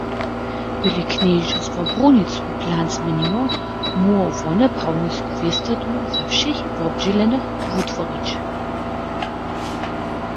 By-li knježerstwo brunicowy plan změniło, móhło wone prawnisku wěstotu za wšěch wobdźělenych wutworić.